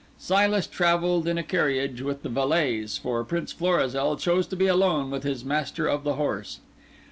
Silas travelled in a carriage with the valets, for Prince Florizel chose to be alone with his Master of the Horse.